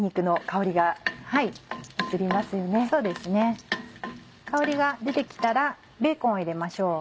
香りが出て来たらベーコンを入れましょう。